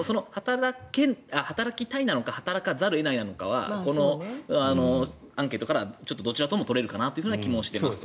働きたいなのか働かざるを得ないのかはこのアンケートからはどちらとも取れるかなという気がしています。